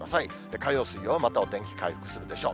火曜、水曜は、またお天気回復するでしょう。